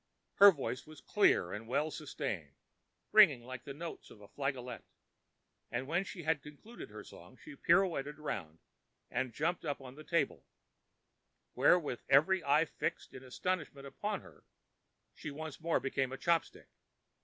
ã Her voice was clear and well sustained, ringing like the notes of a flageolet, and when she had concluded her song she pirouetted round and jumped up on the table, where, with every eye fixed in astonishment upon her, she once more became a chop stick.